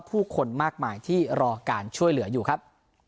ผู้คนมากมายที่รอการช่วยเหลืออยู่ครับ